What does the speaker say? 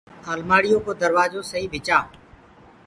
المآڙي يو ڪو دروآجو سئي ڀِچآ۔